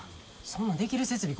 そんなんできる設備